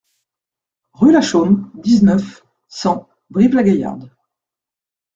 Rue Lachaume, dix-neuf, cent Brive-la-Gaillarde